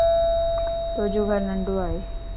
تو جو گھر ننڊوائي